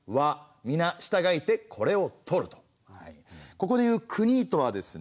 ここで言う「国」とはですね